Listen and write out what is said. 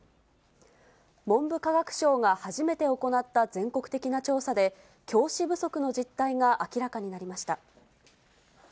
文部科学省が初めて行った全国的な調査で、教師不足の実態が明らかになりました。